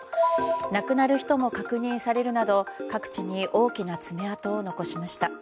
亡くなる人も確認されるなど各地に大きな爪痕を残しました。